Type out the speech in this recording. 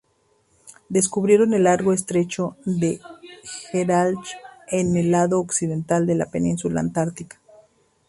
Descubrieron el largo Estrecho de Gerlache en el lado occidental de la Península Antártica.